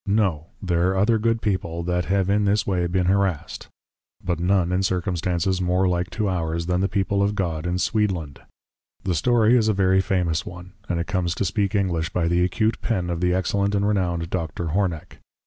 No, there are other Good people, that have in this way been harassed; but none in circumstances more like to Ours, than the people of God, in Sweedland. The story is a very Famous one; and it comes to Speak English by the Acute Pen of the Excellent and Renowned Dr. Horneck.